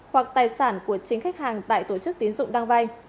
hoặc tài sản của chính khách hàng tại tổ chức tiến dụng đang vay